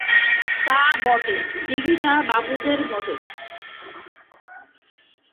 তা বটে, দিঘিটা বাবুদের বটে।